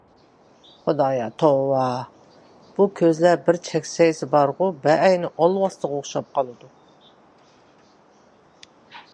خۇدايا توۋا، بۇ كۆزلەر بىر چەكچەيسە بارغۇ بەئەينى ئالۋاستىغا ئوخشاپ قالىدۇ.